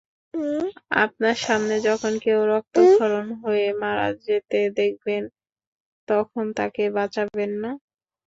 আপনার সামনে যখন কেউ রক্তক্ষরণ হয়ে মারা যেতে দেখবেন, তখন তাঁকে বাঁচাবেন না?